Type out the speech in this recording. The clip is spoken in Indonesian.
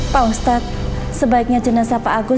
pak ustadz sebaiknya jenazah pak agus